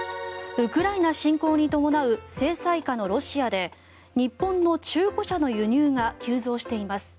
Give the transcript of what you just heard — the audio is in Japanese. ウクライナ侵攻に伴う制裁下のロシアで日本の中古車の輸入が急増しています。